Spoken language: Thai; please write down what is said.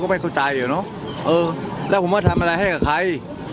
ไม่เข้าใจอ่ะเนอะเออแล้วผมมาทำอะไรให้กับใคร